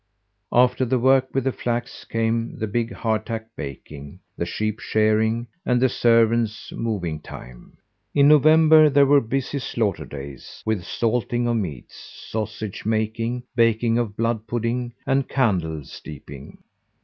After the work with the flax, came the big hard tack baking, the sheep shearing, and the servants' moving time. In November there were busy slaughter days, with salting of meats, sausage making, baking of blood pudding, and candle steeping.